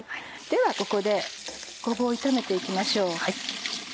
ではここでごぼう炒めて行きましょう。